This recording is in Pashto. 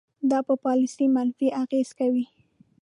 دا په پالیسۍ منفي اغیز کوي.